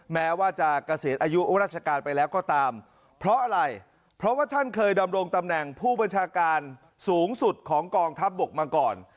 แม้ว่าจะเกษียณอายุราชการไปแล้วก็ตามเพราะอะไรเพราะว่าท่านเคยดำรงตำแหน่งผู้บัญชาการสูงสุดของกองทัพบกมาก่อน